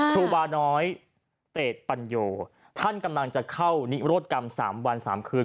ครูบาน้อยเตศปัญโยท่านกำลังจะเข้านิโรธกรรม๓วัน๓คืน